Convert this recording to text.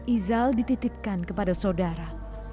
isal dititipkan kepada saudara